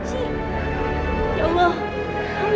tapi menurutmu gue nomor dua lagi